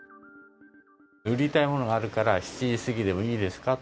売りたいものがあるから７時過ぎでもいいですかと。